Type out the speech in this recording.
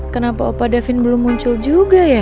kenapa opa davin belum muncul juga ya